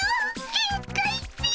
限界っピ！